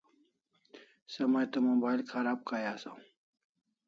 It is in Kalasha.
Se may to mobile kharab kay asaw